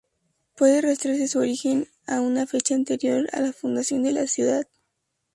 Puede rastrearse su origen a una fecha anterior a la fundación de la ciudad.